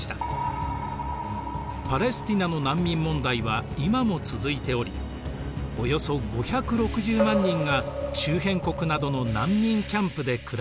パレスティナの難民問題は今も続いておりおよそ５６０万人が周辺国などの難民キャンプで暮らしています。